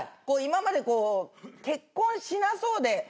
今まで結婚しなそうで。